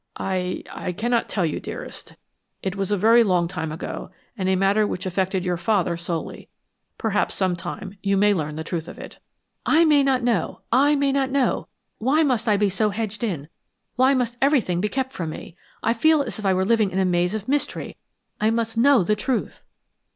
"I I cannot tell you, dearest. It was very long ago, and a matter which affected your father solely. Perhaps some time you may learn the truth of it." "I may not know! I may not know! Why must I be so hedged in? Why must everything be kept from me? I feel as if I were living in a maze of mystery. I must know the truth."